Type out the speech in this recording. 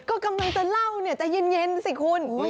ก็กำลังจะเล่าเนี่ยจะเย็นสิคุณ